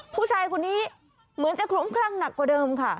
ผู้ชายคนนี้เหมือนจะคลุ้มคลั่งหนักกว่าเดิมค่ะ